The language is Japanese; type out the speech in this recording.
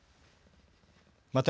また、